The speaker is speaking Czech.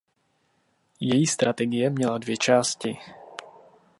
Její strategie měla dvě části.